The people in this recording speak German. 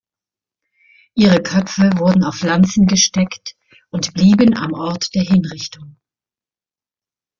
Ihre Köpfe wurden auf Lanzen gesteckt und blieben am Ort der Hinrichtung.